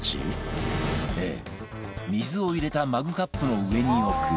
Ａ 水を入れたマグカップの上に置く